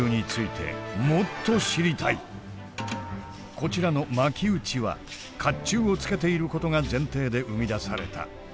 こちらの「巻打ち」は甲冑を着けていることが前提で生み出された。